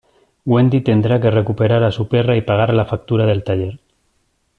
Wendy tendrá que recuperar a su perra y pagar la factura del taller.